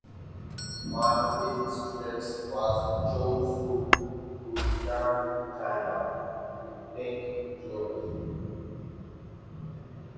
One of his students was Chou Su who returned to China to teach zoology.